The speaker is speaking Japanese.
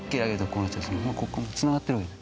ここつながってる。